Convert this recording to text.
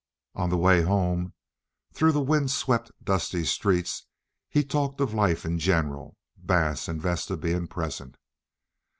On the way home, through the wind swept, dusty streets, he talked of life in general, Bass and Vesta being present.